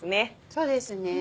そうですね。